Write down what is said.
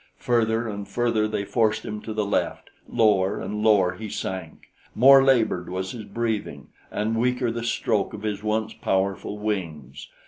Further and further they forced him to the left; lower and lower he sank. More labored was his breathing, and weaker the stroke of his once powerful wings.